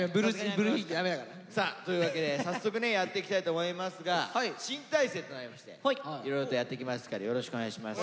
ブルというわけで早速ねやっていきたいと思いますが新体制となりましていろいろとやっていきますからよろしくお願いします。